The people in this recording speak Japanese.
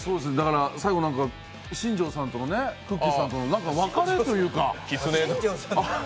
最後、新庄さんとくっきー！さんとの別れというか。